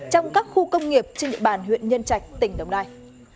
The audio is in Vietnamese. trong các khu công nghiệp trên địa bàn huyện nhân trạch tỉnh đồng nai